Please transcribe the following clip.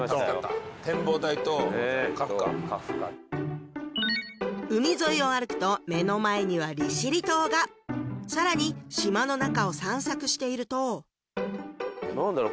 「展望台」と「かふか」え海沿いを歩くと目の前には利尻島がさらに島の中を散策していると何だろう？